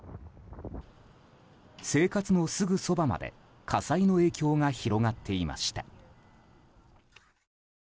生活のすぐそばまで火災の影響が広がっていました。